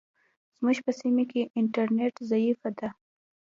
زموږ په سیمه کې انټرنیټ ضعیفه ده.